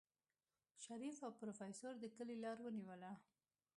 شريف او پروفيسر د کلي لار ونيوله.